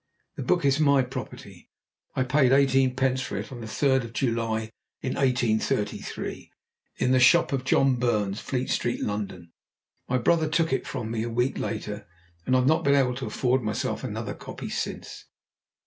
The book is my property: I paid eighteenpence for it on the 3rd of July, 1833, in the shop of John Burns, Fleet Street, London. My brother took it from me a week later, and I have not been able to afford myself another copy since."